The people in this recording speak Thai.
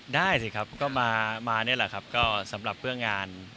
ได้สิครับก็มานี่แหละครับก็สำหรับเพื่องาน